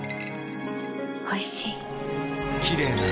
おいしい。